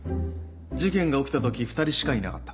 事件が起きたとき２人しかいなかった。